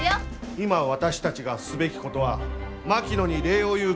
今私たちがすべきことは槙野に礼を言うことですよ。